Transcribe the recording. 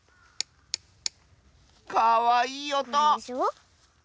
かわいいおと！